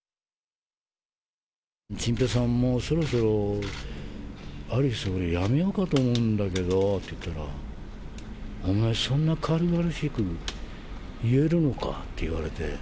チンペイさん、もうそろそろアリス、俺、辞めようかと思うんだけどって言ったら、お前、そんな軽々しく言えるのか？って言われて。